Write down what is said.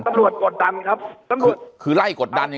คือไล่ตามกฎดันคือไล่กดดันอย่างนี้